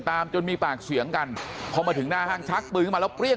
จนมีปากเสียงกันพอมาถึงหน้าห้างชักปืนขึ้นมาแล้วเปรี้ยง